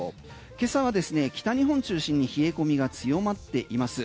今朝はですね、北日本中心に冷え込みが強まっています。